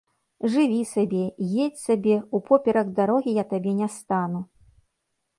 Жыві сабе, едзь сабе, упоперак дарогі я табе не стану.